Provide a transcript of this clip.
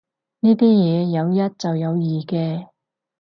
呢啲嘢有一就有二嘅